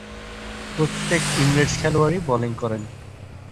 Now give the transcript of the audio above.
প্রত্যেক ইংরেজ খেলোয়াড়ই বোলিং করেন।